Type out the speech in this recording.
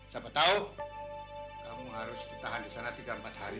siapa tahu kamu harus ditahan di sana tiga empat hari